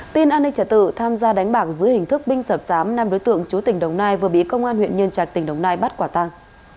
tin an ninh trả tự tham gia đánh bạc dưới hình thức binh sập sám năm đối tượng chú tỉnh đồng nai vừa bị công an huyện nhân trạch tỉnh đồng nai bắt quả tăng